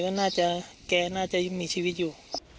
ก็น่าจะแกน่าจะยังมีชีวิตอยู่